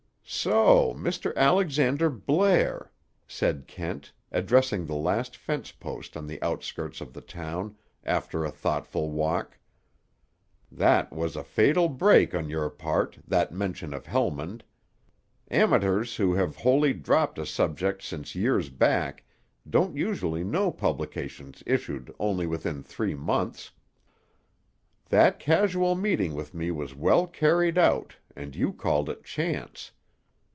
"So, Mr. Alexander Blair," said Kent, addressing the last fence post on the outskirts of the town, after a thoughtful walk, "that was a fatal break on your part, that mention of Helmund. Amateurs who have wholly dropped a subject since years back don't usually know publications issued only within three months. That casual meeting with me was well carried out, and you called it chance.